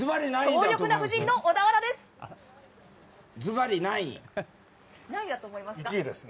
強力な布陣の小田原です。